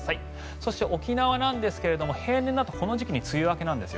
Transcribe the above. そして沖縄ですが平年だとこの時期に梅雨明けなんですよ。